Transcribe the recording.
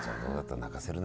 泣かせるね。